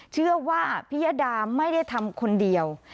เชื่อว่าพิยดาไม่ได้ทำคนเดียว